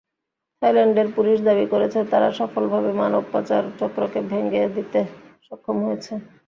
থাইল্যান্ডের পুলিশ দাবি করছে, তারা সফলভাবে মানব পাচার চক্রকে ভেঙে দিতে সক্ষম হয়েছে।